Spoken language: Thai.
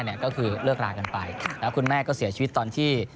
ก็คือเลิกรากันไปแล้วคุณแม่ก็เสียชีวิตตอนที่